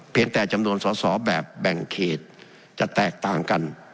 เพียงแต่จำนวนสาวแบบแบ่งเขตจะแตกต่างกัน